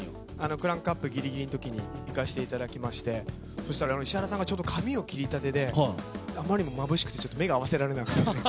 クランクアップぎりぎりのときに行かせていただきまして、そうしたら、石原さんがちょうど髪を切りたてで、あまりにもまぶしくてちょっと目が合わせられなくて。